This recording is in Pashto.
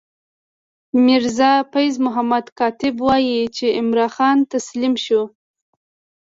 میرزا فیض محمد کاتب وايي چې عمرا خان تسلیم شو.